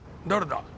誰だ？